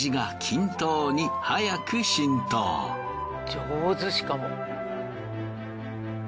上手しかも。